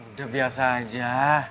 udah biasa aja